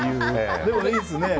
でも、いいですね。